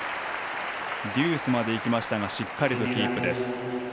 デュースまでいきましたがしっかりとキープです。